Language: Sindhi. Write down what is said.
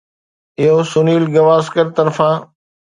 اهو سنيل گواسڪر طرفان